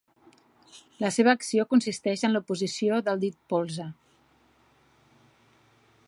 La seva acció consisteix en l'oposició del dit polze.